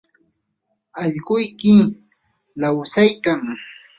allquyki lawsaykan.